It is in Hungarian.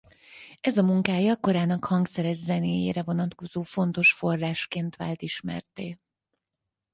Ez a munkája korának hangszeres zenéjére vonatkozó fontos forrásként vált ismertté.